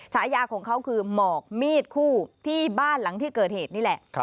ฉายาของเขาคือหมอกมีดคู่ที่บ้านหลังที่เกิดเหตุนี่แหละ